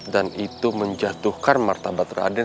dan itu menjatuhkan martabat raden